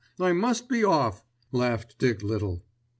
I must be off," laughed Dick Little.